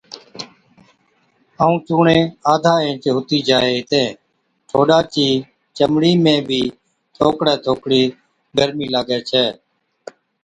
ائُون چُونڻي آڌا اِنچ هُتِي جائي هِتين، ٺوڏا چِي چمڙِي ۾ بِي ٿوڪڙِي ٿوڪڙِي گرمِي لاگَي ڇَي۔